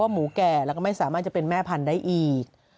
หมูแก่แล้วก็ไม่สามารถจะเป็นแม่พันธุ์ได้อีก